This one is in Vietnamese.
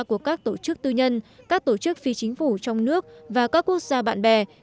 của các tổ chức tư nhân các tổ chức phi chính phủ trong nước và các quốc gia bạn bè